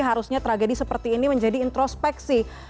harusnya tragedi seperti ini menjadi introspeksi